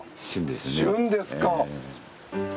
旬ですか。